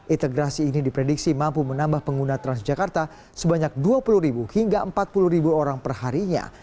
integrasi ini diprediksi mampu menambah pengguna transjakarta sebanyak dua puluh hingga empat puluh orang perharinya